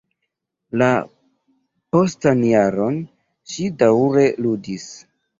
La postan jaron, ŝi daŭre ludis.